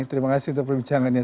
terima kasih untuk perbincangannya